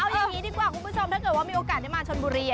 เอาอย่างนี้ดีกว่าคุณผู้ชมถ้าเกิดว่ามีโอกาสได้มาชนบุรี